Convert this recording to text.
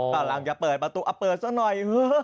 กำลังจะเปิดประตูเปิดซะหน่อย